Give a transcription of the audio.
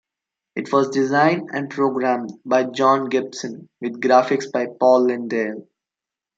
It was designed and programmed by John Gibson with graphics by Paul Lindale.